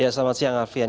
ya selamat siang afian